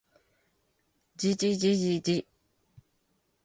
じじじじじ